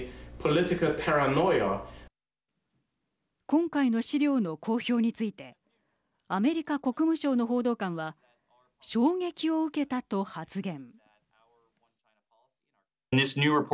今回の資料の公表についてアメリカ国務省の報道官は衝撃を受けたと発言。